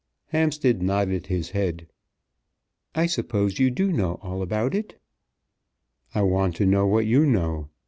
Hampstead nodded his head. "I suppose you do know all about it?" "I want to know what you know.